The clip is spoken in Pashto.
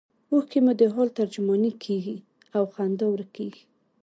اوښکې مو د حال ترجمانې کیږي او خندا ورکیږي